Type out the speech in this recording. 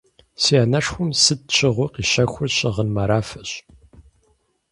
Си анэшхуэм сыт щыгъуи къищэхур щыгъын морафэщ.